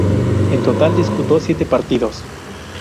En total, disputó siete partidos.